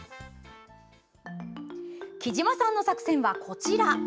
きじまさんの作戦はこちら。